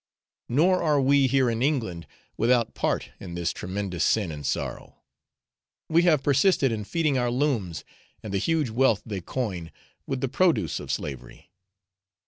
Nor are we, here in England, without part in this tremendous sin and sorrow; we have persisted in feeding our looms, and the huge wealth they coin, with the produce of slavery.